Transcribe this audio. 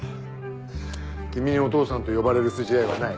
君に「お父さん」と呼ばれる筋合いはない。